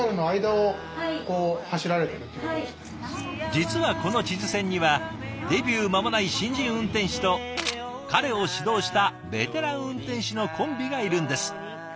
実はこの智頭線にはデビュー間もない新人運転士と彼を指導したベテラン運転士のコンビがいるんです。